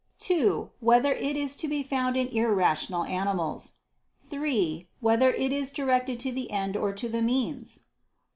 (2) Whether it is to be found in irrational animals? (3) Whether it is directed to the end or to the means?